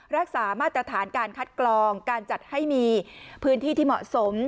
รักษามาตรฐานการคัดกรองการจัดให้มีพื้นที่ที่เหมาะสม